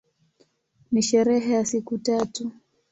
Ni sherehe ya siku tatu.